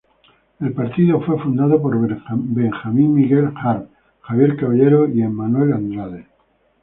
El partido fue fundado por Benjamín Miguel Harb, Javier Caballero y Emanuel Andrade.